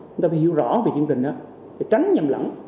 chúng ta phải hiểu rõ về chương trình đó để tránh nhầm lẫn